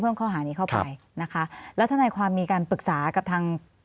ข้อหานี้เข้าไปนะคะแล้วทนายความมีการปรึกษากับทาง